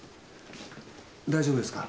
大丈夫ですか？